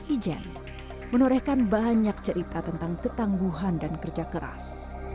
ijen menorehkan banyak cerita tentang ketangguhan dan kerja keras